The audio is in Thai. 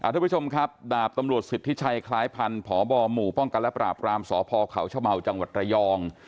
ทุกผู้ชมครับดาบตำรวจสิทธิชัยคล้ายพันธ์พบหมู่ป้องกันและปราบรามสพเขาชะเมาจังหวัดระยอง